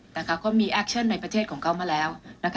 เขามีแอคชั่นในประเทศของเขามาแล้ว